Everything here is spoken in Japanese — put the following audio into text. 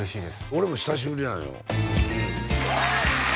俺も久しぶりなんよ